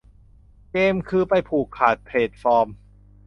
เกมคือไปผูกขาดแพลตฟอร์ม